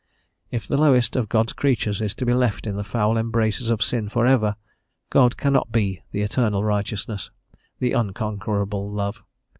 If the lowest of God's creatures is to be left in the foul embraces of sin for ever, God cannot be the Eternal Righteousness, the unconquerable Love.